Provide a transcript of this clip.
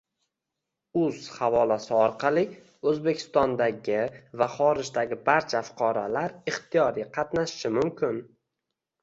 uz” havolasi orqali O‘zbekistondagi va xorijdagi barcha fuqarolar ixtiyoriy qatnashishi mumkin